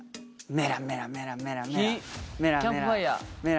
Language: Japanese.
メラメラメラメラ。